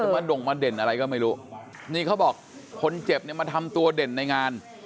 มาด่งมาเด่นอะไรก็ไม่รู้นี่เขาบอกคนเจ็บเนี่ยมาทำตัวเด่นในงาน